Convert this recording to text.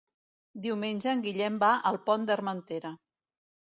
Diumenge en Guillem va al Pont d'Armentera.